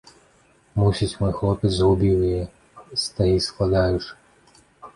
Мусіць, мой хлопец згубіў яе, стагі складаючы.